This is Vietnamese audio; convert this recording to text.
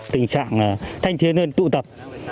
tình trạng thanh thiên hơn tụ tập